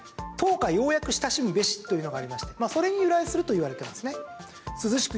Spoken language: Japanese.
韓愈に由来していて親しむべしというのがありましてそれに由来すると言われてますね。